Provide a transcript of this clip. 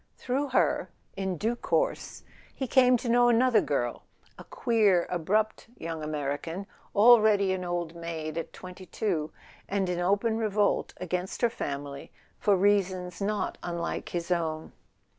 Through her, in due course, he came to know another girl, a queer abrupt young American, already an old maid at twenty two, and in open revolt against her family for reasons not unlike his own.